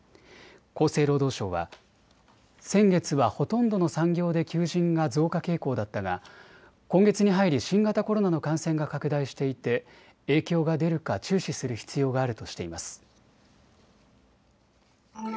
厚生労働省は先月はほとんどの産業で求人が増加傾向だったが今月に入り新型コロナの感染が拡大していて影響が出るか注視する必要があるとしています。